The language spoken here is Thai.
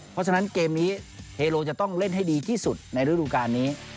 เพราะฉะนั้นเกมนี้เฮโลจะต้องเล่นให้ดีที่สุดในฤดูการนี้